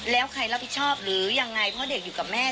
แล้วใครรับผิดชอบหรือยังไงเพราะเด็กอยู่กับแม่